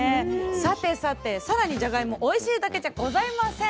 さてさて更にじゃがいもおいしいだけじゃございません。